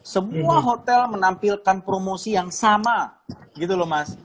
semua hotel menampilkan promosi yang sama gitu loh mas